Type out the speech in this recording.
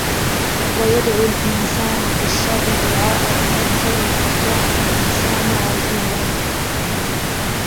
وَيَدْعُ الْإِنْسَانُ بِالشَّرِّ دُعَاءَهُ بِالْخَيْرِ وَكَانَ الْإِنْسَانُ عَجُولًا